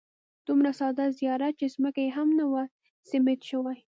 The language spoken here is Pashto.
دومره ساده زیارت چې ځمکه یې هم نه وه سیمټ شوې.